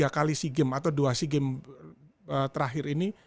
tiga kali sea games atau dua sea games terakhir ini